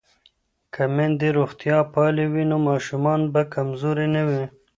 که میندې روغتیا پالې وي نو ماشومان به کمزوري نه وي.